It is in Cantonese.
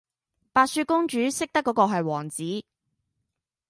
白雪公主識得果個系王子